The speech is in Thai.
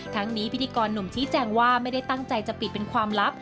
ทั้งนี้พิธีกรหนุ่มชี้แจงว่าไม่ได้ตั้งใจจะปิดเป็นความลับ